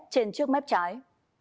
trên trước mép trái